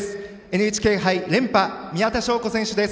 ＮＨＫ杯連覇、宮田笙子選手です。